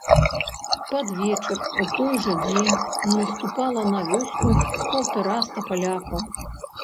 Пад вечар у той жа дзень наступала на вёску паўтараста палякаў.